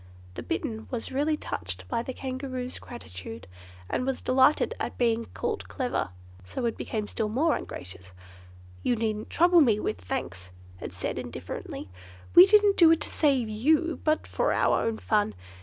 The Bittern was really touched by the Kangaroo's gratitude, and was delighted at being called clever, so it became still more ungracious. "You needn't trouble me with thanks," it said indifferently, "we didn't do it to save you, but for our own fun.